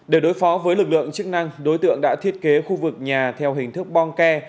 để đối phó với lực lượng chức năng đối tượng đã thiết kế khu vực nhà theo hình thức bong ke